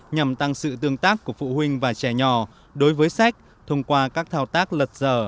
nhằm tăng sự tương tác của phụ huynh và trẻ nhỏ đối với sách thông qua các thao tác lật dở